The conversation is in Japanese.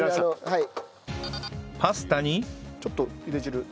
はい。